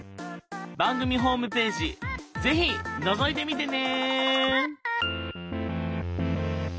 番組ホームページ是非のぞいてみてね！